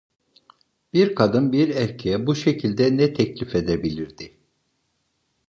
Bir kadın, bir erkeğe bu şekilde ne teklif edebilirdi?